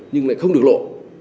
nhưng lại không được lộ